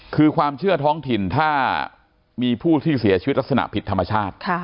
คือความเชื่อท้องถิ่นถ้ามีผู้ที่เสียชีวิตลักษณะผิดธรรมชาติ